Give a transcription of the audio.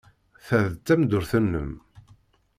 Ta d tameddurt-nnem.